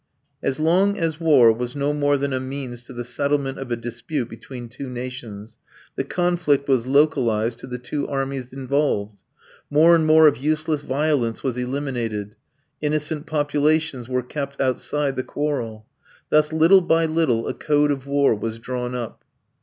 As long as war was no more than a means to the settlement of a dispute between two nations, the conflict was localized to the two armies involved. More and more of useless violence was eliminated; innocent populations were kept outside the quarrel. Thus little by little a code of war was drawn up.